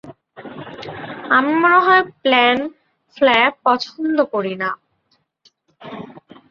আমি মনে হয় প্যান-ফ্ল্যাপ পছন্দ করি না।